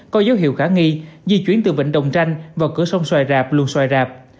có dấu hiệu khả nghi di chuyển từ vịnh đồng tranh vào cửa sông xoài rạp luôn xoài rạp